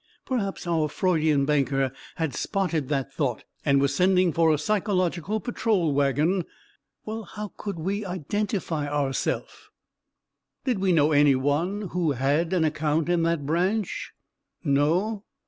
perhaps our Freudian banker had spotted that thought and was sending for a psychological patrol wagon ... well, how could we identify ourself? Did we know any one who had an account in that branch? No.